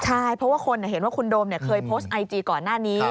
ใช่เพราะว่าคนเห็นว่าคุณโดมเคยโพสต์ไอจีก่อนหน้านี้